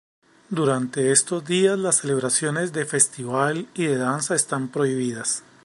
Durante estos días las celebraciones de festival y de danza están prohibidas.